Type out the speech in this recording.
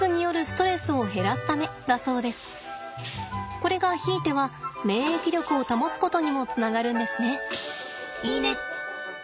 これがひいては免疫力を保つことにもつながるんですね。